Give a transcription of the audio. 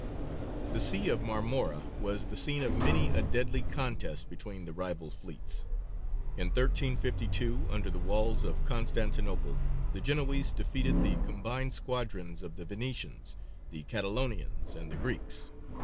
The Sea of Marmora was the scene of many a deadly contest between the rival fleets. In 1352, under the walls of Constantinople, the Genoese defeated the combined squadrons of the Venetians, the Catalonians, and the Greeks.